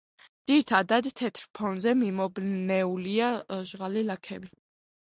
ძირითადად თეთრ ფონზე მიმობნეულია ჟღალი ლაქები.